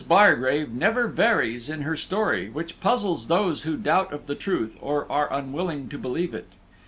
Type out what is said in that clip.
Bargrave never varies in her story, which puzzles those who doubt of the truth, or are unwilling to believe it.